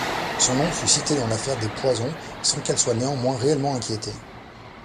Son nom fut cité dans l'affaire des poisons, sans qu'elle soit néanmoins réellement inquiétée.